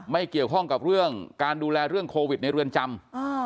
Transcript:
ไม่เกี่ยวข้องกับเรื่องการดูแลเรื่องโควิดในเรือนจำ